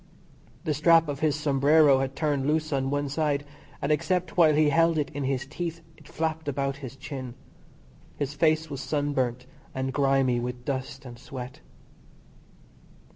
The strap of his sombrero had torn loose on one side, and except while he held it in his teeth it flapped about his chin. His face was sunburnt and grimy with dust and sweat.